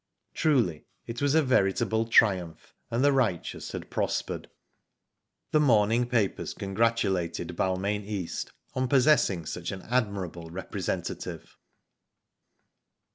Truly it was a veritable triumph, and the righteous had prospered. The morning papers congratulated Balmain East on possessing such an admirable representative.